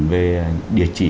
về địa chỉ